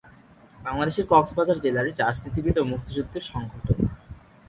বাংলাদেশের কক্সবাজার জেলার রাজনীতিবিদ ও মুক্তিযুদ্ধের সংগঠক।